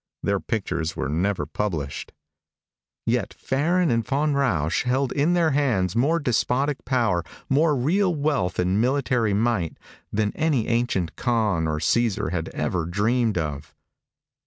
Their pictures were never published. Yet Farren and Von Rausch held in their hands more despotic power, more real wealth and military might, than any ancient Khan or Caesar had ever dreamed of.